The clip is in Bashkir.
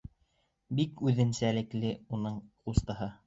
Бик үҙенсәлекле уның ҡустыһы.